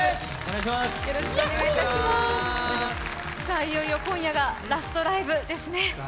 いよいよ今夜がラストライブですね。